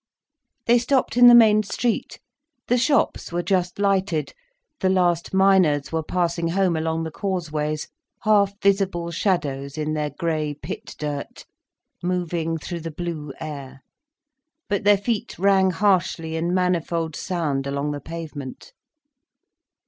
They stopped in the main street. The shops were just lighted, the last miners were passing home along the causeways, half visible shadows in their grey pit dirt, moving through the blue air. But their feet rang harshly in manifold sound, along the pavement.